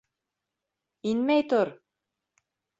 Инмәй тор.